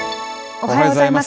おはようございます。